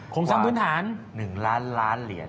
ซ้ำพื้นฐาน๑ล้านล้านเหรียญ